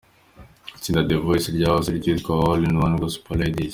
Itsinda The Voice ryahoze ryitwa All in One Gospel Ladies.